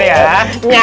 di tempat maidernya